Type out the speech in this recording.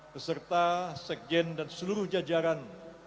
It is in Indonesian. beserta sekjen dan seluruh jajaran